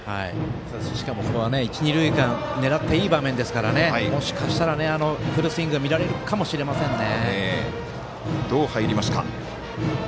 しかも、ここは一、二塁間狙っていい場面ですからもしかしたら、フルスイングが見られるかもしれないですね。